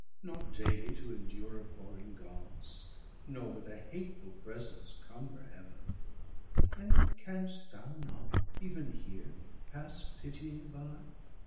Not daily to endure abhorring Gods, Nor with a hateful presence cumber Heaven; And canst thou not, even here, pass pitying by?